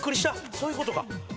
そういうことか。